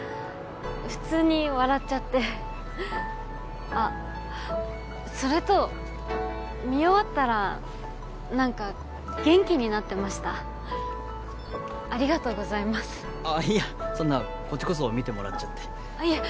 普通に笑っちゃってあっそれと見終わったらなんか元気になってましたありがとうございますあっいやそんなこっちこそ見てもらっちゃっていえ